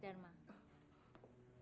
ya gak mas dharma